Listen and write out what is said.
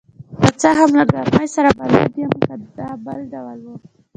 که څه هم له ګرمۍ سره بلد یم، دا بل ډول وه.